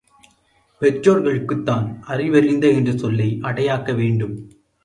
பெற்றோர்களுக்குத்தான் அறிவறிந்த என்ற சொல்லை அடையாக்க வேண்டும்.